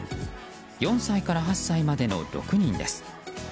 ４歳から８歳までの６人です。